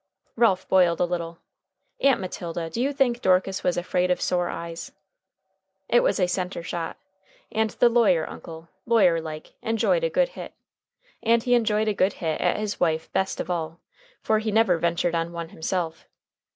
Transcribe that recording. Ralph boiled a little. "Aunt Matilda, do you think Dorcas was afraid of sore eyes?" It was a center shot, and the lawyer uncle, lawyerlike, enjoyed a good hit. And he enjoyed a good hit at his wife best of all, for he never ventured on one himself.